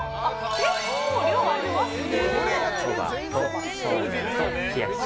結構量、ありますね。